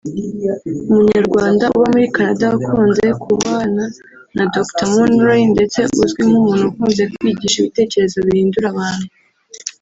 umunyarwanda uba muri Canada wakunze kubana na Dr Munroe ndetse uzwi nk’umuntu Ukunze kwigisha ibitekerezo bihindura abantu